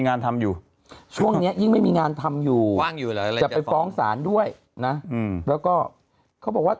งานทำอยู่ช่วงนี้ยิ่งไม่มีงานทำอยู่จะไปฟ้องศาลด้วยนะแล้วก็เขาบอกว่า